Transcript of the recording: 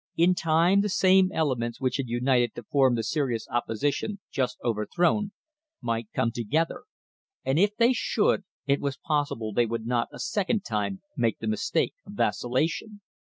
In time the same elements which had united to form the serious oppo sition just overthrown might come together, and if they should it was possible that they would not a second time make the mistake of vacillation.